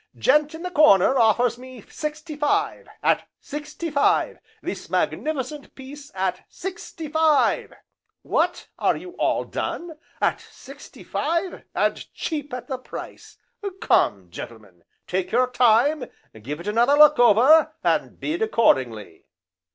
"Gent in the corner offers me sixty five, at sixty five, this magnificent piece at sixty five! What, are you all done? at sixty five, and cheap at the price, come, gentlemen, take your time, give it another look over, and bid accordingly."